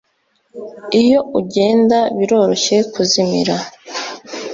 Iyo ugenda biroroshye kuzimira